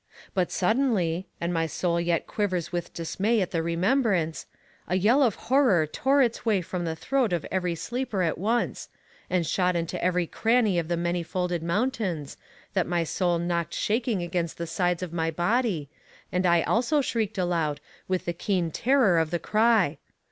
But suddenly, and my soul yet quivers with dismay at the remembrance, a yell of horror tore its way from the throat of every sleeper at once, and shot into every cranny of the many folded mountains, that my soul knocked shaking against the sides of my body, and I also shrieked aloud with the keen terror of the cry.